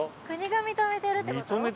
国が認めてるってこと？